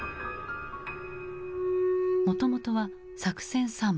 もともとは作戦参謀。